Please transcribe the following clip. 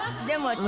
でも。